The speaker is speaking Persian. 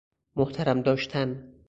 محترم داشتن